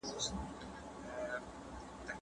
ټولنيز ژوند د محبت د ايجاد او دوام سبب کېږي؟